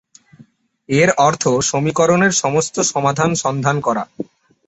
এর অর্থ, সমীকরণের সমস্ত সমাধান সন্ধান করা।